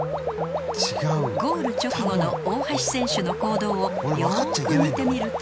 ゴール直後の大橋選手の行動をよく見てみると